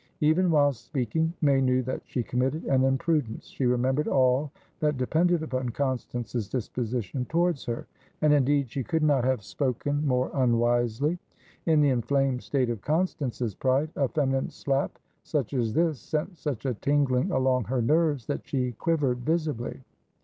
Even whilst speaking, May knew that she committed an imprudence; she remembered all that depended upon Constance's disposition towards her. And indeed, she could not have spoken more unwisely. In the inflamed state of Constance's pride, a feminine slap such as this sent such a tingling along her nerves that she quivered visibly.